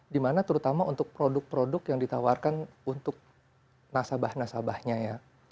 dimana terutama untuk produk produk yang ditawarkan untuk nasabah nasabahnya ya